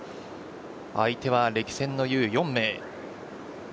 相手は歴戦の雄４名。